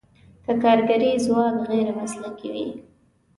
که کارګري ځواک غیر مسلکي وي.